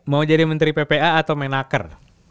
mau jadi menteri ppa atau menaker